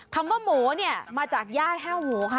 คำว่าหมูเนี่ยมาจากย่ายแห้วหมูค่ะ